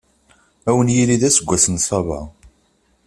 Ad wen-yili d aseggas n Ṣṣaba.